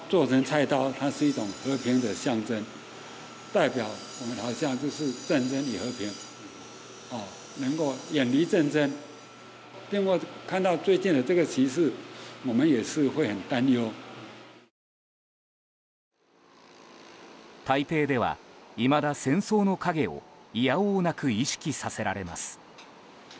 台北などではいまだ戦争の影をいや応なく意識させられます。